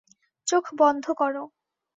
চোখ বন্ধ করো।